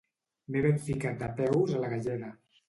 M'he ben ficat de peus a la galleda